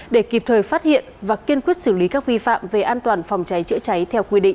để kịp thời phát hiện và kiên quyết xử lý các vi phạm về an toàn phòng cháy chữa cháy theo quy định